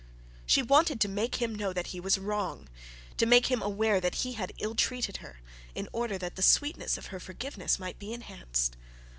She wanted to make him know that he was wrong, to make him aware that he had ill treated her, in order that the sweetness of her forgiveness might be enhanced.